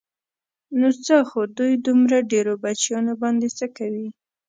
نو څه خو دوی دومره ډېرو بچیانو باندې څه کوي.